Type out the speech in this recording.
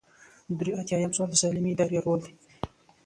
درې ایاتیام سوال د سالمې ادارې رول دی.